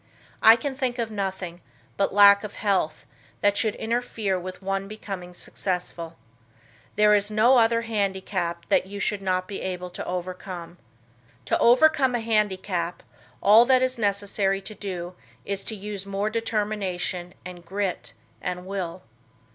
I can think of nothing, but lack of health, that should interfere with one becoming successful. There is no other handicap that you should not be able to overcome. To overcome a handicap, all that it is necessary to do is to use more determination and grit and will.